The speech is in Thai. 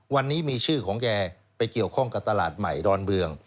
วันนี้มีชื่อของแกไปเกี่ยวข้องกับตลาดใหม่ดอนเมือง